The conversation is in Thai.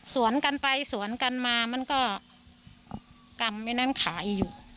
สวนกันไปสวนกันมามันก็กำไอ้นั้นขายอยู่